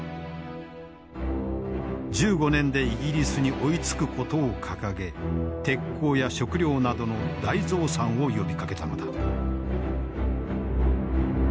１５年でイギリスに追いつくことを掲げ鉄鋼や食料などの大増産を呼びかけたのだ。